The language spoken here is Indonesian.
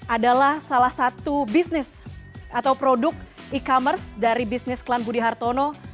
adalah salah satu bisnis atau produk e commerce dari bisnis klan budi hartono